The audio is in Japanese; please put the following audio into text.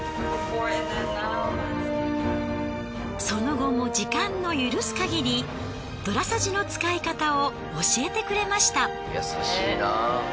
その後も時間の許すかぎりどらさじの使い方を教えてくれました。